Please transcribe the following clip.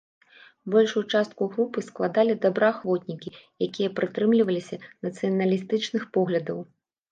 Большую частку групы складалі добраахвотнікі, якія прытрымліваліся нацыяналістычных поглядаў.